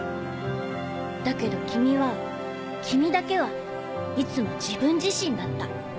だけど君は君だけはいつも自分自身だった。